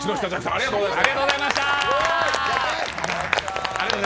ありがとうございます。